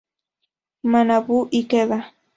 Manabu Ikeda